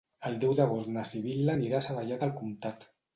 El deu d'agost na Sibil·la anirà a Savallà del Comtat.